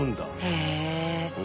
へえ。